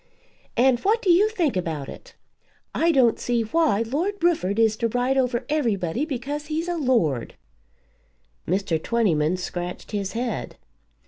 "And what do you think about it? I don't see why Lord Rufford is to ride over everybody because he's a lord." Mr. Twentyman scratched his head.